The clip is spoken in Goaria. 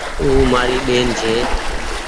او مآري ٻين ڇي۔